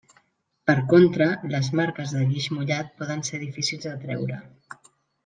Per contra, les marques de guix mullat poden ser difícils de treure.